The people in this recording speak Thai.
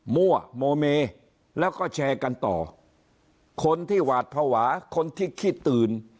มั่วโมเมแล้วก็แชร์กันต่อคนที่หวาดภาวะคนที่คิดตื่น